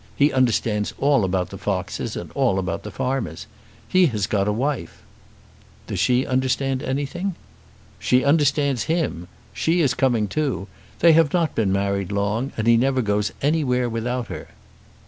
He understands all about the foxes, and all about the farmers. He has got a wife." "Does she understand anything?" "She understands him. She is coming too. They have not been married long, and he never goes anywhere without her."